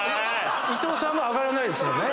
伊藤さんも上がらないですよね。